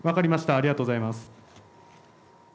ありがとうございます。